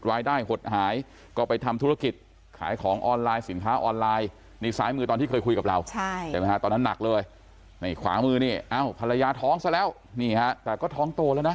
รายได้หดหายก็ไปทำธุรกิจขายของออนไลน์สินค้าออนไลน์